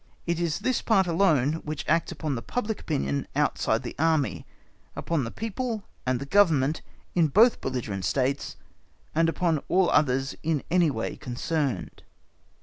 It is this part alone which acts upon the public opinion outside the Army, upon the people and the Government in both belligerent States, and upon all others in any way concerned.